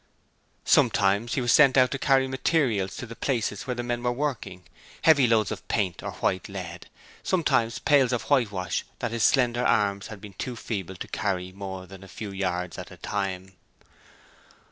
Sometimes he was sent out to carry materials to the places where the men were working heavy loads of paint or white lead sometimes pails of whitewash that his slender arms had been too feeble to carry more than a few yards at a time.